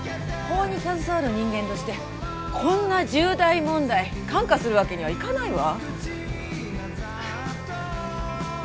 法に携わる人間としてこんな重大問題看過するわけにはいかないわ。